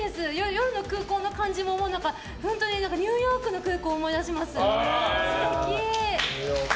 夜の空港の感じもニューヨークの空港を思い出します。